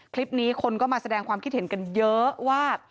คลิปนี้คนก็มาแสดงความคิดเห็นกันเยอะว่า